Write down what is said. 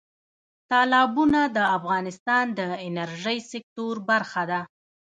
تالابونه د افغانستان د انرژۍ سکتور برخه ده.